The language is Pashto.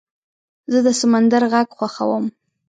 زه د سمندر غږ خوښوم.